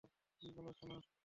কী বলো, সোনা?